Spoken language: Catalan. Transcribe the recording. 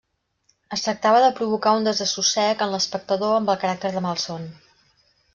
Es tractava de provocar un desassossec en l'espectador amb el caràcter de malson.